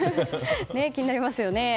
気になりますよね。